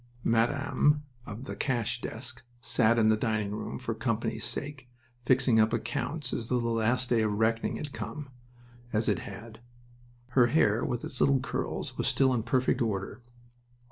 Madame, of the cash desk, sat in the dining room, for company's sake, fixing up accounts as though the last day of reckoning had come...as it had. Her hair, with its little curls, was still in perfect order.